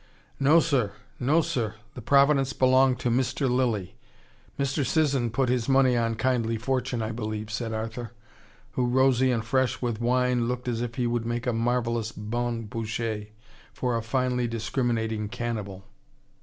"No, sir; no, sir! The Providence belonged to Mr. Lilly. Mr. Sisson put his money on kindly fortune, I believe," said Arthur, who rosy and fresh with wine, looked as if he would make a marvelous bonne bouchee for a finely discriminating cannibal.